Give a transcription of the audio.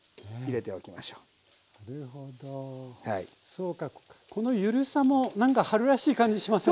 そうかこのゆるさもなんか春らしい感じしません？